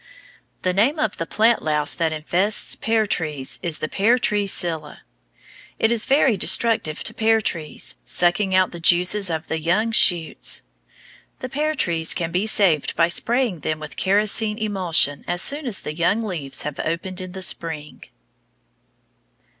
The name of the plant louse that infests pear trees is the pear tree psylla. It is very destructive to pear trees, sucking out the juices of the young shoots. The pear trees can be saved by spraying them with kerosene emulsion as soon as the young leaves have opened in the spring.